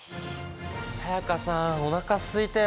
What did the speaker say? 才加さんおなかすいたよ。